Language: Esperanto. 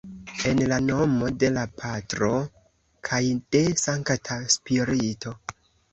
En la nomo de la Patro kaj de la Sankta Spirito.